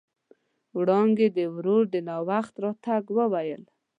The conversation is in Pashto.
وړانګې د ورور د ناوخت راتګ وويل.